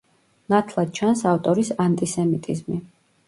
ნათლად ჩანს ავტორის ანტისემიტიზმი.